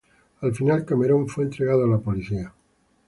Al final Cameron fue entregado a la policía.